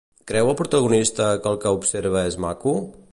Creu el protagonista que el que observa és maco?